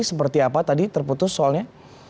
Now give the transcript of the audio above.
seperti apa tadi terputus soalnya